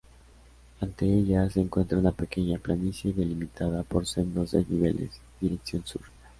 Ante ella, se encuentra una pequeña planicie delimitada por sendos desniveles dirección sur.